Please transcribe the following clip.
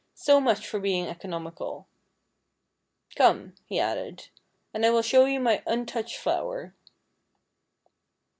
So much for being economical. Come," he added, "and I will show you my un touched flower."